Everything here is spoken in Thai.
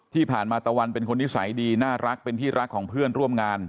ที่ผ่านมาตะวันเป็นคนนิสัยดีน่ารักเป็นที่รักของเพื่อนร่วมงาน